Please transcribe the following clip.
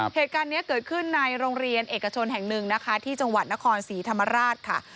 เหตุการณ์นี้เกิดขึ้นในโรงเรียนเอกชนแห่งหนึ่งนะคะที่จังหวัดนครศรีธรรมราชค่ะ